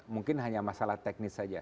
mungkin hanya masalah teknis saja